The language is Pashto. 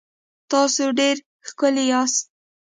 تاسو ډېر ښکلي یاست